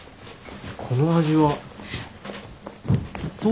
この味は。